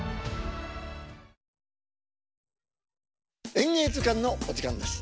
「演芸図鑑」のお時間です。